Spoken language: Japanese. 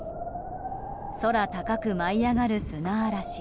空高く舞い上がる砂嵐。